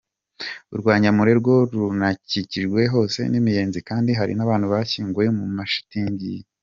Urwa Nyamure rwo runakikijwe hose n’imiyenzi, kandi hari n’abantu bashyinguwe mu mashitingi.